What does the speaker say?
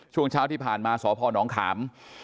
ช่วงเช้าที่ผ่านมาสพนขาม